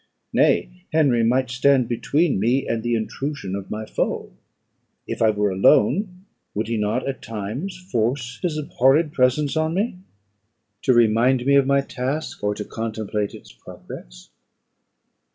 Nay, Henry might stand between me and the intrusion of my foe. If I were alone, would he not at times force his abhorred presence on me, to remind me of my task, or to contemplate its progress?